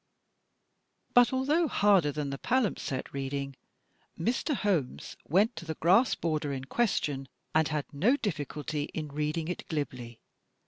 But, although harder than palimpsest reading, Mr. Holmes went to the grass border in question, and had no difficulty in reading it glibly.